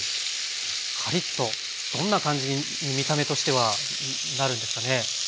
カリッとどんな感じに見た目としてはなるんですかね？